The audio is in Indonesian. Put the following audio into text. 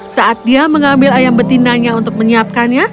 saat dia mengambil ayam betinanya untuk menyiapkannya